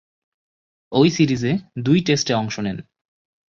ঐ সিরিজে দুই টেস্টে অংশে নেন।